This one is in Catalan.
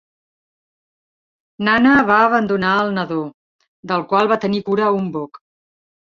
Nana va abandonar el nadó, del qual va tenir cura un boc.